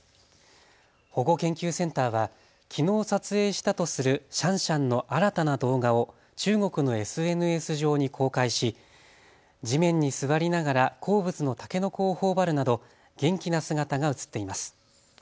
保護研究センターはきのう撮影したとするシャンシャンの新たな動画を中国のＳＮＳ上に公開し地面に座りながら好物のたけのこをほおばるなど元気な姿が映っています。